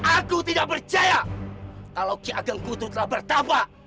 aku tidak percaya kalau ki ageng kutu telah bertabak